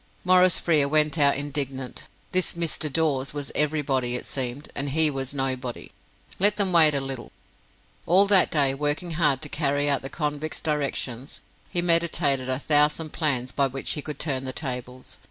Maurice Frere went out indignant. This "Mr." Dawes was everybody, it seemed, and he was nobody. Let them wait a little. All that day, working hard to carry out the convict's directions, he meditated a thousand plans by which he could turn the tables.